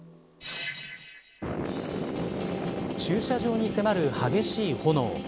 駐車場に迫る激しい炎。